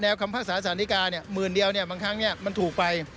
แนวคำภาคศาสนิกาหมื่นเดียวบางครั้งนี้มันถูกไป